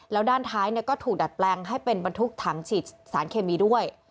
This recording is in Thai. แล้วด้านท้ายก็ถูกดัดแปลงให้เป็นบรรทุกถังฉีดสารเคมีด้วย